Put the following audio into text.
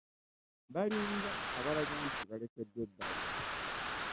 Balinga abalaga nti balekeddwa ebbali.